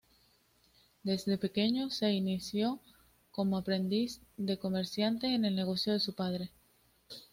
Desde pequeño se inició como aprendiz de comerciante en el negocio de su padre.